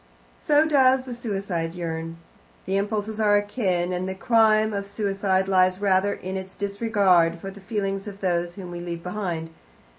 So does the suicide yearn. The impulses are akin, and the crime of suicide lies rather in its disregard for the feelings of those whom we leave behind.